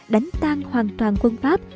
đánh tan hoàn toàn quân pháp